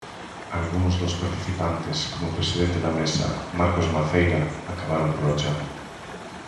Algúns dos participantes, como o presidente da Mesa, Marcos Maceira, acabaron polo chan.